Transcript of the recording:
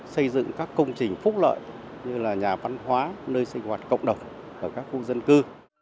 xây dựng các công trình phúc lợi như là nhà văn hóa nơi sinh hoạt cộng đồng ở các khu dân cư